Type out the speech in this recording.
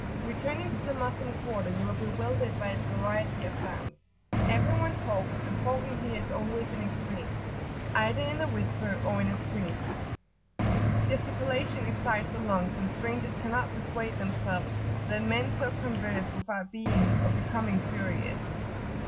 [FN#16] Returning to the Moslem quarter, you are bewildered [p.82]by its variety of sounds. Everyone talks, and talking here is always in extremes, either in a whisper, or in a scream; gesticulation excites the lungs, and strangers cannot persuade themselves that men so converse without being or becoming furious.